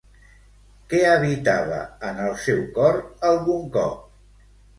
Què habitava en el seu cor algun cop?